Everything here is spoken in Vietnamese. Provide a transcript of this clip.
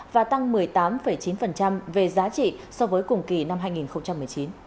và tăng một mươi tám chín về giá trị so với cùng kỳ năm hai nghìn một mươi chín